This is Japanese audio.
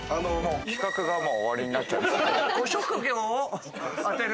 企画が、もう終わりになっちゃう。